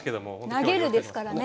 「投げる」ですからね